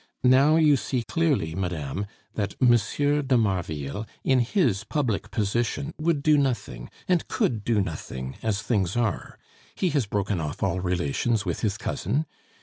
Now you see clearly, madame, that M. de Marville in his public position would do nothing, and could do nothing, as things are. He has broken off all relations with his cousin.